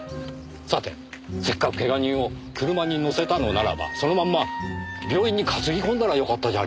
さてせっかくけが人を車に乗せたのならばそのまんま病院に担ぎこんだらよかったじゃありませんか。